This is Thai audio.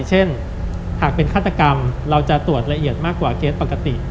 เช่นหากเป็นฆาตกรรมเราจะตรวจละเอียดมากกว่าเกสปกติ